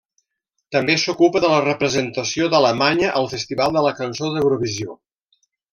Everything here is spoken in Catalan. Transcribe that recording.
També s'ocupa de la representació d'Alemanya al Festival de la Cançó d'Eurovisió.